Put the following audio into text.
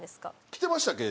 着てましたっけ？